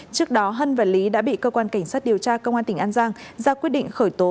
trước đó hân và lý đã bị cơ quan cảnh sát điều tra công an tỉnh an giang ra quyết định khởi tố